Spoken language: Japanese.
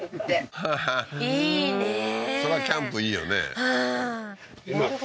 そりゃキャンプいいよね